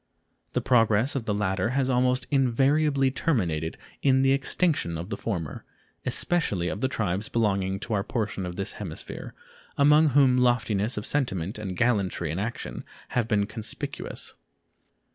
The progress of the latter has almost invariably terminated in the extinction of the former, especially of the tribes belonging to our portion of this hemisphere, among whom loftiness of sentiment and gallantry in action have been conspicuous.